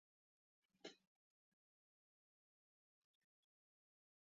Pentsioen sistema erreformatuko dute, egonkortasuna lortzeko eta aurre-erretiroa jorratzeko.